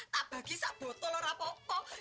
tak bagi sebotol apa apa